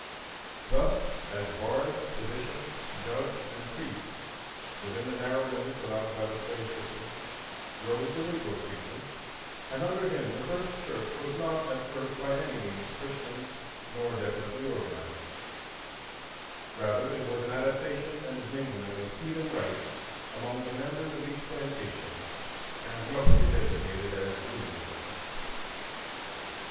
Thus, as bard, physician, judge, and priest, within the narrow limits allowed by the slave system, rose the Negro preacher, and under him the first church was not at first by any means Christian nor definitely organized; rather it was an adaptation and mingling of heathen rites among the members of each plantation, and roughly designated as Voodooism.